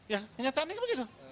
ya kenyataannya begitu